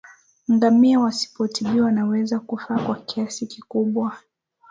Ngamia wasipotibiwa wanaweza kufa kwa kiasi kikubwa